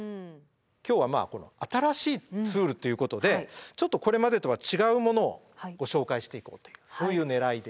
今日は新しいツールということでちょっとこれまでとは違うものをご紹介していこうというそういうねらいです。